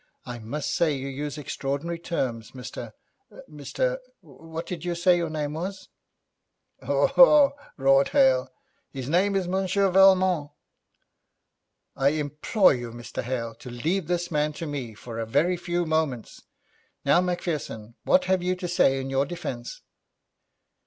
'I must say you use extraordinary terms, Mr Mr What did you say the name was?' 'Haw haw,' roared Hale. 'His name is Monsieur Valmont.' 'I implore you, Mr. Hale, to leave this man to me for a very few moments. Now, Macpherson, what have you to say in your defence?'